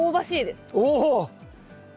お。